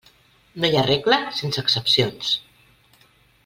No hi ha regla sense excepcions.